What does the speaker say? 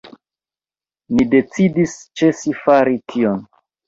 Ni decidis ĉesi fari tion.